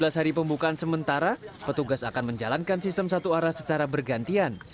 empat belas hari pembukaan sementara petugas akan menjalankan sistem satu arah secara bergantian